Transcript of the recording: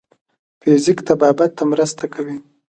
فزیک طبابت ته مرسته کوي.